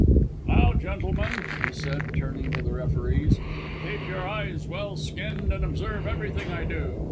"Now, gentlemen," he said, turning to the referees, "keep your eyes well skinned and observe everything I do.